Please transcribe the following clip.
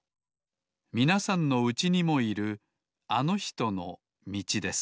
みなさんのうちにもいるあのひとのみちです